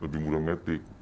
lebih mudah matic